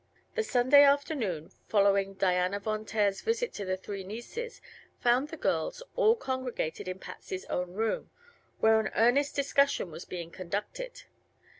The Sunday afternoon following Diana Von Taer's visit to the three nieces found the girls all congregated in Patsy's own room, where an earnest discussion was being conducted.